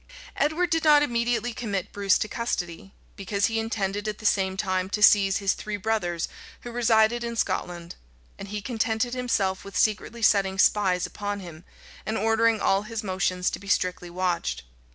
Edward did not immediately commit Bruce to custody; because he intended at the same time to seize his three brothers, who resided in Scotland; and he contented himself with secretly setting spies upon him, and ordering all his motions to be strictly watched.